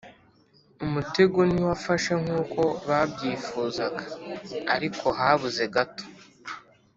umutego ntiwafashe nk'uko babyifuzaga ariko habuze gato.